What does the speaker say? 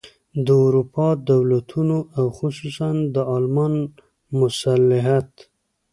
د اروپا د دولتونو او خصوصاً د المان مصلحت.